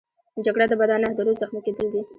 جګړه د بدن نه، د روح زخمي کېدل دي